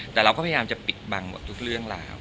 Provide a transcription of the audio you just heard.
แต่เราก็พยายามจะปิดบังหมดทุกเรื่องราว